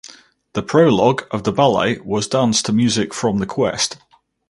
The prologue of the ballet was danced to music from "The Quest".